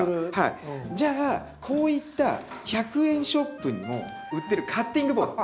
じゃあこういった１００円ショップにも売ってるカッティングボード。